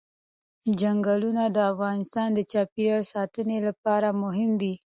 چنګلونه د افغانستان د چاپیریال ساتنې لپاره مهم دي.